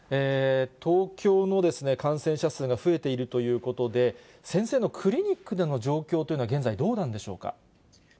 東京の感染者数が増えているということで、先生のクリニックでの状況というのは現在、どうなんでしょうか？